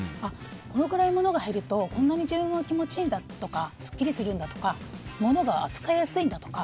このくらい物が減るとこんなに自分が気持ちいいんだとかすっきりするんだとか物が扱いやすいんだとか。